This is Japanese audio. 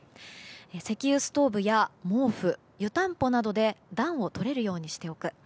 石油ストーブや毛布、湯たんぽなどで暖をとれるようにしておく。